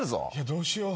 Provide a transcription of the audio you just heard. どうしよう。